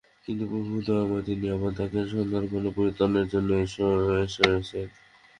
কিন্তু প্রভু দয়াময়, তিনি আবার তাঁর সন্তানগণের পরিত্রাণের জন্য এসেছেন।